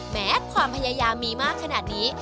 แม้ความพยายามมีมากขนาดนี้